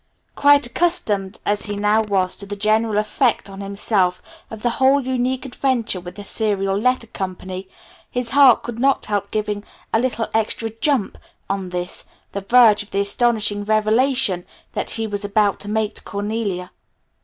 Quite accustomed as he now was to the general effect on himself of the whole unique adventure with the Serial Letter Co. his heart could not help giving a little extra jump on this, the verge of the astonishing revelation that he was about to make to Cornelia.